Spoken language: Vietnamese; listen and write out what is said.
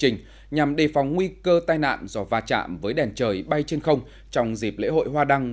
trình nhằm đề phòng nguy cơ tai nạn do va chạm với đèn trời bay trên không trong dịp lễ hội hoa đăng